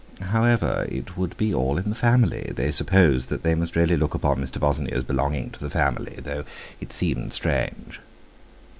However, it would be all in the family they supposed they must really look upon Mr. Bosinney as belonging to the family, though it seemed strange.